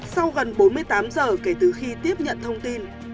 sau gần bốn mươi tám giờ kể từ khi tiếp nhận thông tin